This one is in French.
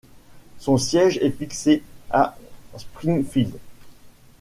Son siège est fixé à Springfield.